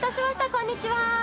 こんにちは。